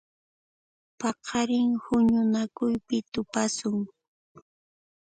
Paqarin huñunakuypi tupasun.